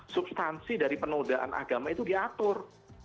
substansi dari penodaan agama itu diatur